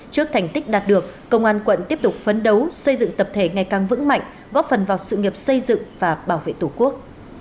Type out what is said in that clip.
trước thành tích đạt được công an quận tiếp tục phấn đấu xây dựng tập thể ngày càng vững mạnh góp phần vào sự nghiệp xây dựng và bảo vệ tổ quốc